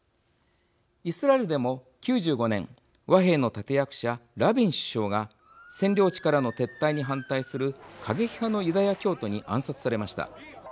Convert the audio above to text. イスラエルでも、９５年和平の立て役者ラビン首相が占領地からの撤退に反対する過激派のユダヤ教徒に暗殺されました。